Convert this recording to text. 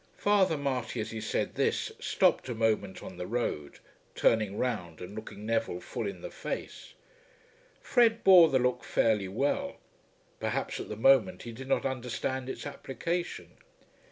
Father Marty as he said this stopped a moment on the road, turning round and looking Neville full in the face. Fred bore the look fairly well. Perhaps at the moment he did not understand its application.